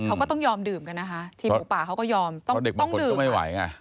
เขาก็ต้องยอมดื่มกันนะคะทีมหมูป่าเขาก็ยอมต้องดื่มกันเพราะเด็กบางคนก็ไม่ไหวไง